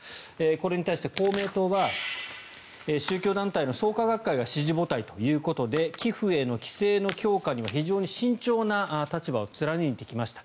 これに対して公明党は宗教団体の創価学会が支持母体ということで寄付への規制の強化には非常に慎重な立場を貫いてきました。